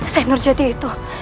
senor jati itu